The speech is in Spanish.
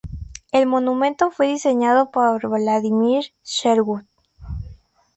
El monumento fue diseñado por Vladimir Sherwood.